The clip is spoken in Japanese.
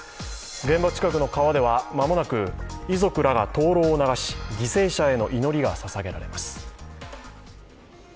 現場近くの川では間もなく遺族らが灯籠を流し犠牲者への祈りがささげられます。